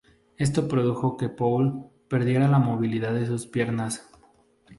Esto produjo que Paul perdiera la movilidad de sus piernas.